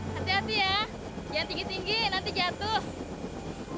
hati hati ya yang tinggi tinggi nanti jatuh